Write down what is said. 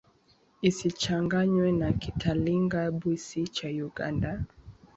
Isichanganywe na Kitalinga-Bwisi cha Uganda.